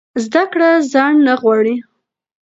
زده کړه ځنډ نه غواړي.